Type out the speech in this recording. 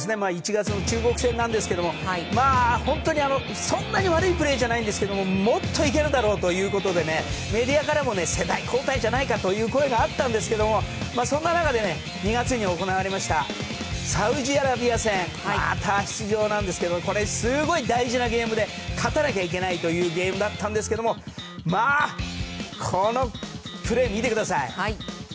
１月の中国戦なんですけど本当にそんなに悪いプレーじゃないんですけどもっと行けるだろうということでメディアからも世代交代じゃないかという声があったんですけれどもそんな中で２月に行われたサウジアラビア戦に出場ですがすごい大事なゲームで勝たなきゃいけないというゲームだったんですけどこのプレー、見てください。